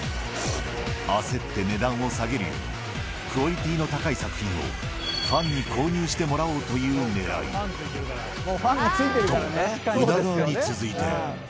焦って値段を下げるより、クオリティの高い作品をファンに購入してもらおうというねらい。と、宇田川に続いて。